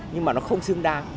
nhưng mà nó không xứng đáng